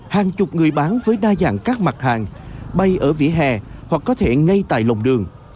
hàng chục người bán với đa dạng các mặt hàng bay ở vỉa hè hoặc có thể ngay tại lòng đường